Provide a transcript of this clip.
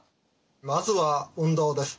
まずは運動です。